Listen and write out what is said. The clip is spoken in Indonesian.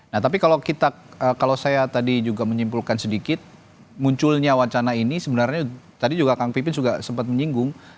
nah tapi kalau saya tadi juga menyimpulkan sedikit munculnya wacana ini sebenarnya tadi juga kang pipin juga sempat menyinggung